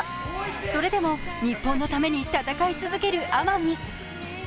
それでも日本のために戦い続ける天海。